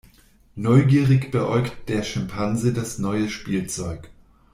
Neugierig beäugt der Schimpanse das neue Spielzeug.